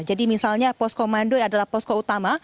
jadi misalnya poskomando adalah posko utama